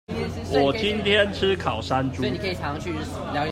我今天吃烤山豬